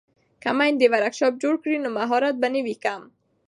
که میندې ورکشاپ جوړ کړي نو مهارت به نه وي کم.